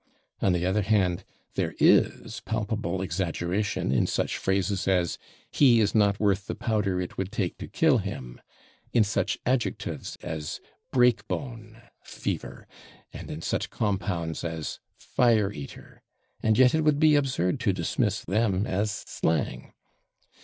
On the other hand, there is palpable exaggeration in such phrases as "he is not worth the powder it would take to kill him," in such adjectives as /break bone/ (fever), and in such compounds as /fire eater/, and yet it would be absurd to dismiss them as slang.